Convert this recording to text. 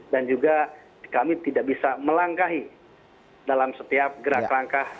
dan juga kami tidak bisa melangkahi dalam setiap gerak langkah